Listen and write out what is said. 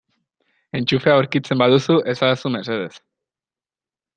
Entxufea aurkitzen baduzu esadazu mesedez.